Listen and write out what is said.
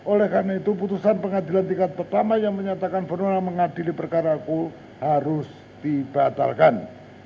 oleh karena itu putusan pengadilan tingkat pertama yang menyatakan pernah mengadili perkara aku harus dibatalkan